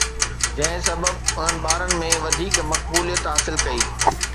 جنهن سبب انهن ٻارن ۾ وڌيڪ مقبوليت حاصل ڪئي